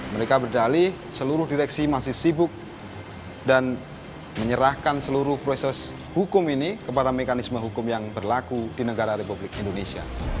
mereka berdali seluruh direksi masih sibuk dan menyerahkan seluruh proses hukum ini kepada mekanisme hukum yang berlaku di negara republik indonesia